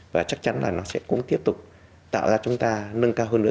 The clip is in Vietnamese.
và chắc chắn là nó sẽ cũng tiếp tục tạo ra chúng ta nâng cao hơn nữa